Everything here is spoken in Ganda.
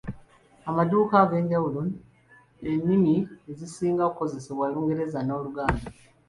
Amaduuka ag’enjawulo ennimi ezisinga okukozesebwako Lungereza n’Oluganda.